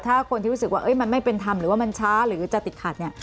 ถ้าคนที่รู้สึกว่ามันไม่เป็นธรรมหรือว่ามันช้าหรือจะติดขัดเนี่ย